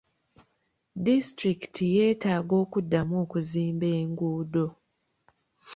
Disitulikiti yeetaaga okuddamu okuzimba enguudo.